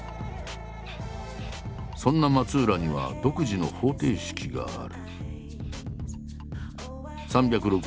そんな松浦には独自の方程式がある。